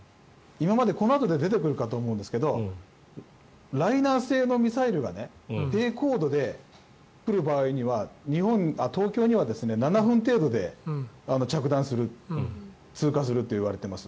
このあと出てくるかと思うんですがライナー性のミサイルが低高度で来る場合には東京には７分程度で着弾する通過するといわれています。